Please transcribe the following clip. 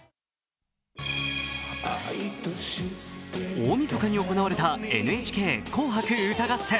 大みそかに行われたＮＨＫ「紅白歌合戦」。